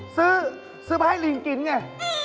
ซื้อซื้อมาให้ลิงกินไง